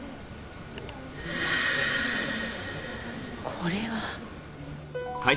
これは。